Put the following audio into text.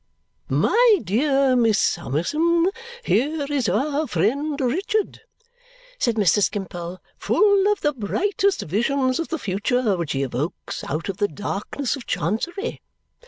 "My dear Miss Summerson, here is our friend Richard," said Mr. Skimpole, "full of the brightest visions of the future, which he evokes out of the darkness of Chancery.